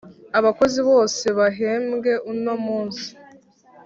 abakozi bose bahembwe uno munsi